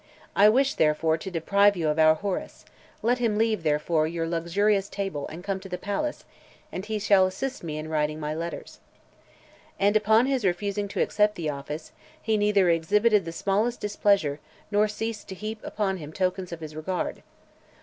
I wish, therefore, to deprive you of our Horace: let him leave, therefore, your luxurious table and come to the palace, and he shall assist me in writing my letters." And upon his refusing to accept the office, he neither exhibited the smallest displeasure, nor ceased to heap upon him tokens of his regard.